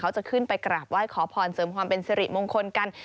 จะขึ้นไปกราบไหว้ขอพรเสริมความเป็นสิริมงคลกัน